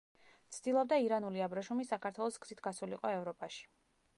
ცდილობდა ირანული აბრეშუმი საქართველოს გზით გასულიყო ევროპაში.